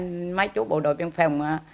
có mấy chú bộ đội biên phòng